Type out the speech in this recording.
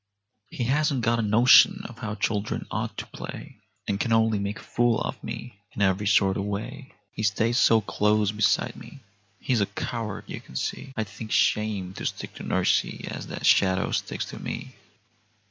He hasn't got a notion of how children ought to play, And can only make a fool of me in every sort of way. He stays so close beside me, he's a coward you can see; I'd think shame to stick to nursie as that shadow sticks to me!